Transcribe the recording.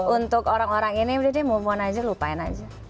untuk orang orang ini udah deh move on aja lupain aja